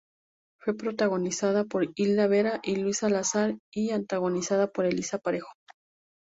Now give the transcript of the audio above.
Fue protagonizada por Hilda Vera y Luis Salazar, y antagonizada por Elisa Parejo.